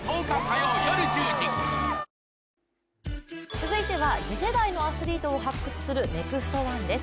続いては、次世代のアスリートを発掘する「ＮＥＸＴ☆１」です。